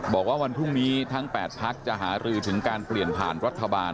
บอกว่าวันพรุ่งนี้ทั้ง๘พักจะหารือถึงการเปลี่ยนผ่านรัฐบาล